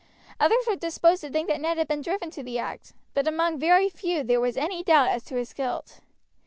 Others were disposed to think that Ned had been driven to the act; but among very few was there any doubt as to his guilt.